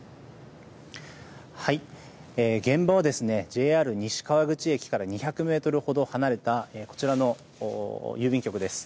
現場は、ＪＲ西川口駅から２００ｍほど離れたこちらの郵便局です。